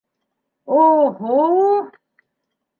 О-һ-о!